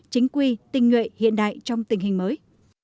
chính quy tinh nguyện hiện đại trong tình hình mới